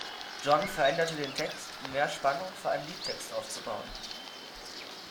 John veränderte den Text, um mehr Spannung für einen Liedtext aufzubauen.